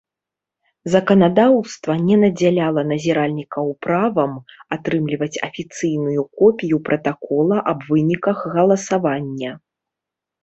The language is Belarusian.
Заканадаўства не надзяляла назіральнікаў правам атрымліваць афіцыйную копію пратакола аб выніках галасавання.